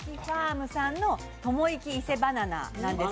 むさんのともいき伊勢バナナなんです。